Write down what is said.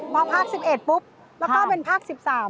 พอภาค๑๑ปุ๊บแล้วก็เป็นภาค๑๓